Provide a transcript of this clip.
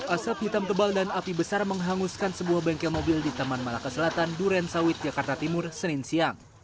asap hitam tebal dan api besar menghanguskan sebuah bengkel mobil di taman malaka selatan duren sawit jakarta timur senin siang